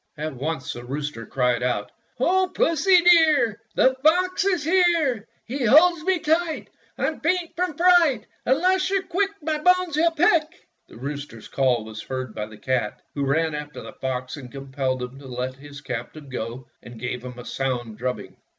At once the rooster cried out: — "O Pussy, dear, The fox is here ! He holds me tight — I'm faint from fright! Unless you're quick My bones he'll pick!" The rooster's call was heard by the cat, who ran after the fox and compelled him to let his captive go and gave him a sound drubbing.